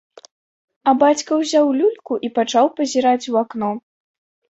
А бацька ўзяў люльку і пачаў пазіраць у акно.